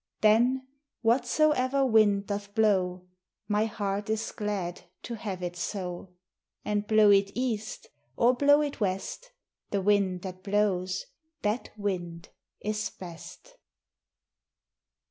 Then, whatsoever wind doth blow, My heart is glad to have it so; And blow it east or blow it west, The wind that blows, that wind is best.